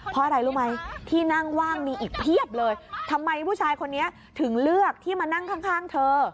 เพราะอะไรรู้ไหมที่นั่งว่างมีอีกเพียบเลยทำไมผู้ชายคนนี้ถึงเลือกที่มานั่งข้างข้างเธอ